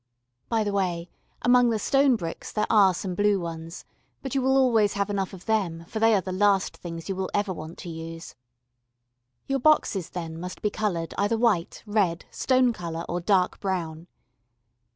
By the way, among the stone bricks there are some blue ones, but you will always have enough of them, for they are the last things you will ever want to use. Your boxes then must be coloured either white, red, stone colour, or dark brown.